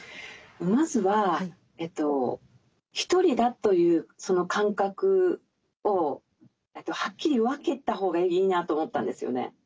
まずはひとりだというその感覚をはっきり分けたほうがいいなと思ったんですよね。